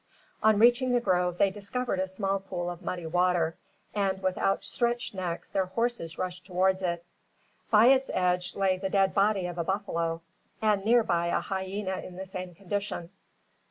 On reaching the grove, they discovered a small pool of muddy water; and with outstretched necks their horses rushed towards it. By its edge lay the dead body of a buffalo; and near by a hyena in the same condition.